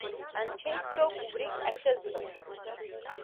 Анцәа иџьшьоуп убригьы ахьызбаз!